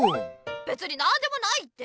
べつになんでもないって。